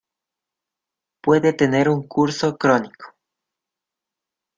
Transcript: Puede tener un curso crónico.